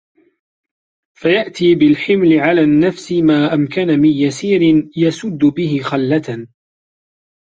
فَيَأْتِي بِالْحِمْلِ عَلَى النَّفْسِ مَا أَمْكَنَ مِنْ يَسِيرٍ يَسُدُّ بِهِ خَلَّةً